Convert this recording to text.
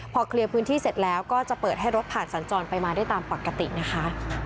พอเคลียร์พื้นที่เสร็จแล้วก็จะเปิดให้รถผ่านสัญจรไปมาได้ตามปกตินะคะ